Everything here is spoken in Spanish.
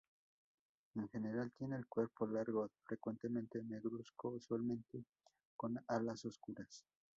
En general tienen el cuerpo largo, frecuentemente negruzco, usualmente con alas oscuras.